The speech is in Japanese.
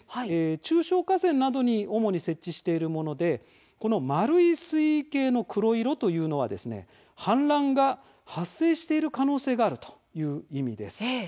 中小河川などに主に設置しているもので丸い水位計の黒色というのは氾濫が発生している可能性があるという意味です。